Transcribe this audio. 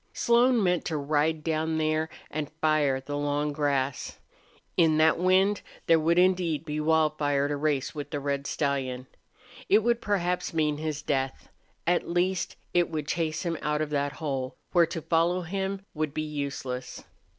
Slone meant to ride down there and fire the long grass. In that wind there would indeed be wildfire to race with the red stallion. It would perhaps mean his death; at least it would chase him out of that hole, where to follow him would be useless.